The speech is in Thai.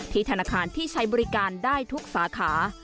ธนาคารที่ใช้บริการได้ทุกสาขา